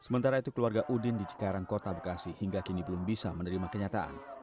sementara itu keluarga udin di cikarang kota bekasi hingga kini belum bisa menerima kenyataan